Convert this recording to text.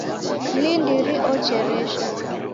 Mlindiri ocheresha